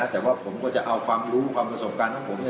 แต่ว่าผมก็จะเอาความรู้ความประสบการณ์ของผม